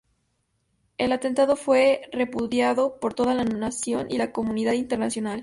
El atentado fue repudiado por toda la nación y la comunidad internacional.